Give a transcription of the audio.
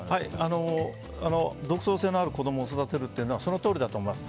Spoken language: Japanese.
独創性のある子供を育てるというのはそのとおりだと思います。